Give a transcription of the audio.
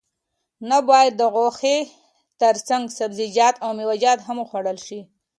نه باید د غوښې ترڅنګ سبزیجات او میوه هم وخوړل شي